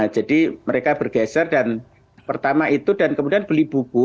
jadi mereka bergeser dan pertama itu dan kemudian beli buku